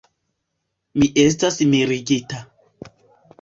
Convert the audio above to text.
Mi estas mirigita.